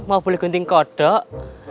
mau boleh gunting kodok